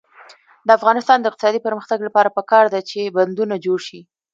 د افغانستان د اقتصادي پرمختګ لپاره پکار ده چې بندونه جوړ شي.